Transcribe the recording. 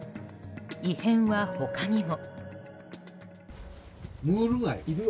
異変は他にも。